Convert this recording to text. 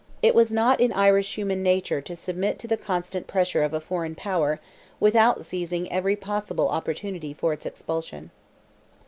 It was not in Irish human nature to submit to the constant pressure of a foreign power without seizing every possible opportunity for its expulsion.